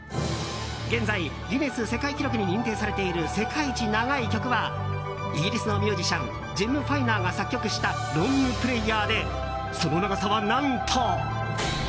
現在、ギネス世界記録に認定されている世界一長い曲はイギリスのミュージシャンジェム・ファイナーが作曲した「ロングプレイヤー」でその長さは何と。